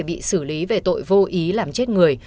bị xử lý về tội vô ý làm chết người